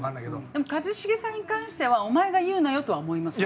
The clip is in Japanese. でも一茂さんに関してはお前が言うなよとは思いますよ。